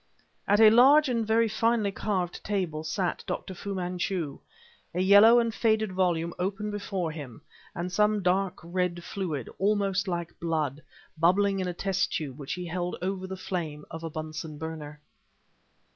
At a large and very finely carved table sat Dr. Fu Manchu, a yellow and faded volume open before him, and some dark red fluid, almost like blood, bubbling in a test tube which he held over the flame of a Bunsen burner.